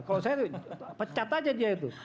kalau saya pecat aja dia itu